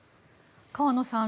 河野さん